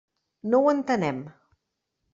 No ho entenem.